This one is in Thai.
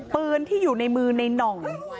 ปืนที่อยู่ในมือในน่อง